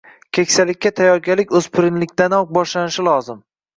Keksalikka tayyorgarlik o’spirinlikdanoq boshlanishi lozim.